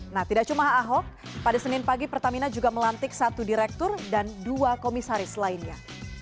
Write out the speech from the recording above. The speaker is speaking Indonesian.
nah tidak cuma ahok pada senin pagi pertamina juga melantik satu direktur dan dua komisaris lainnya